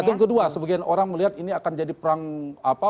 itu yang kedua sebagian orang melihat ini akan jadi perang apa